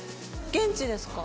現地ですか？